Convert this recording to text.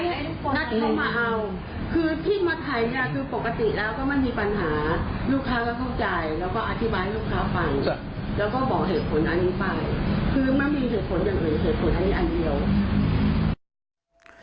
คือไม่มีเหตุผลเดี๋ยวเหตุผลอันนี้อันเดียว